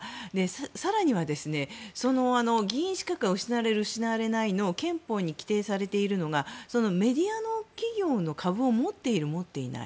更には、議員資格が失われる失われないの憲法に規定されているのがメディアの企業の株を持っている、持っていない。